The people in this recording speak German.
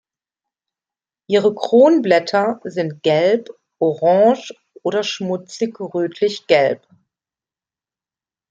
Ihre Kronblätter sind gelb, orange, oder schmutzig rötlich-gelb.